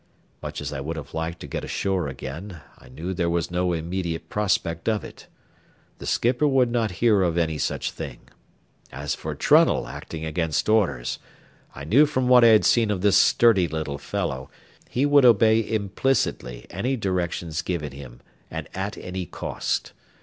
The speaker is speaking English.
Much as I would have liked to get ashore again, I knew there was no immediate prospect of it. The skipper would not hear of any such thing. As for Trunnell acting against orders, I knew from what I had seen of this sturdy little fellow he would obey implicitly any directions given him, and at any cost.